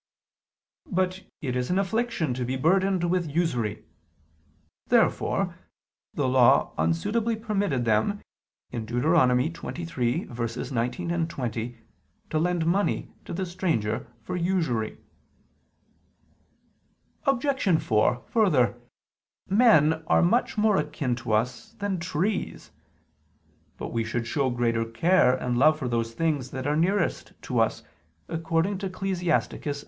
But it is an affliction to be burdened with usury. Therefore the Law unsuitably permitted them (Deut. 23:19, 20) to lend money to the stranger for usury. Obj. 4: Further, men are much more akin to us than trees. But we should show greater care and love for those things that are nearest to us, according to Ecclus.